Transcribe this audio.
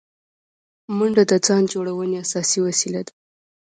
منډه د ځان جوړونې اساسي وسیله ده